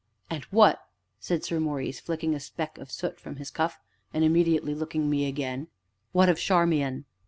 "And what," said Sir Maurice, flicking a speck of soot from his cuff, and immediately looking at me again, "what of Charmian?"